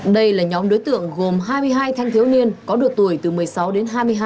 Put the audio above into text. đây là nhóm đối tượng gồm hai mươi hai thanh thiếu niên có độ tuổi từ một mươi sáu đến hai mươi hai